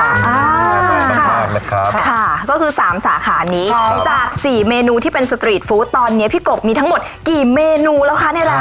ขอบคุณมากนะครับค่ะก็คือสามสาขานี้ใช่จากสี่เมนูที่เป็นสตรีทฟู้ดตอนนี้พี่กบมีทั้งหมดกี่เมนูแล้วคะในร้าน